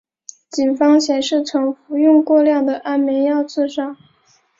警方显然曾服用过量的安眠药自杀。